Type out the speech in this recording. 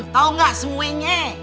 tau gak semuanya